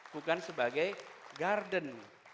bukan sebagai garden